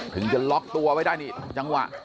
ถึงจะล็อกตัวไว้ได้นี่จังหวะ